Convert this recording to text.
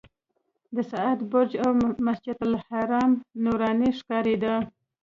د ساعت برج او مسجدالحرام نوراني ښکارېده.